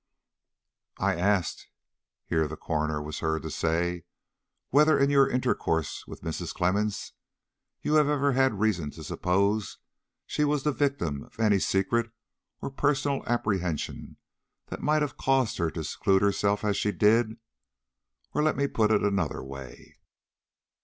"I asked," here the coroner was heard to say, "whether, in your intercourse with Mrs. Clemmens, you have ever had reason to suppose she was the victim of any secret or personal apprehension that might have caused her to seclude herself as she did? Or let me put it in another way.